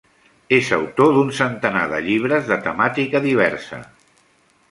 És autor d'un centenar de llibres de temàtica diversa.